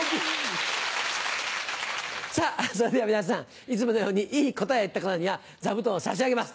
さあ、それでは皆さん、いつものようにいい答えを言った方には座布団を差し上げます。